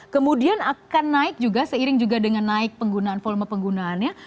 kemudian akan naik juga seiring juga dengan naik penggunaan volume penggunaannya